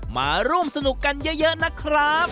มาร่วมสนุกกันเยอะนะครับ